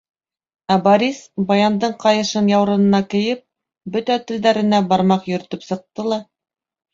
Ә Борис, баяндың ҡайышын яурынына кейеп, бөтә телдәренә бармаҡ йөрөтөп сыҡты ла: